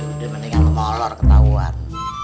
udah mendingan mau olor ketahuan